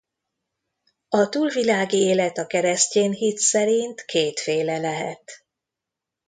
A túlvilági élet a keresztyén hit szerint kétféle lehet.